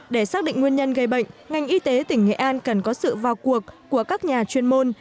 để xác định nguyên nhân gây bệnh ngành y tế tỉnh nghệ an cần có sự vào cuộc của các nhà chuyên môn